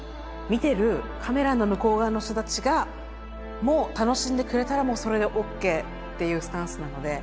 見てるカメラの向こう側の人たちがもう楽しんでくれたらそれでＯＫっていうスタンスなので。